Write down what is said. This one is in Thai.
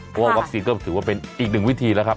เพราะว่าวัคซีนก็ถือว่าเป็นอีกหนึ่งวิธีแล้วครับ